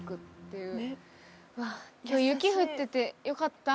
うわっ、今日雪降っててよかった。